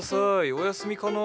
お休みかな？